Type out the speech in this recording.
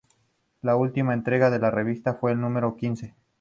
La última entrega de la revista fue la número quince.